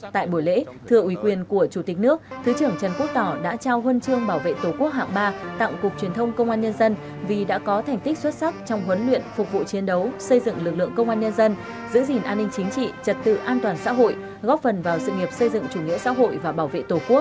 tại buổi lễ thưa uy quyền của chủ tịch nước thứ trưởng trần quốc tỏ đã trao huân chương bảo vệ tổ quốc hạng ba tặng cục truyền thông công an nhân dân vì đã có thành tích xuất sắc trong huấn luyện phục vụ chiến đấu xây dựng lực lượng công an nhân dân giữ gìn an ninh chính trị trật tự an toàn xã hội góp phần vào sự nghiệp xây dựng chủ nghĩa xã hội và bảo vệ tổ quốc